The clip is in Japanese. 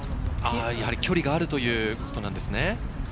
距離があるということなんですね。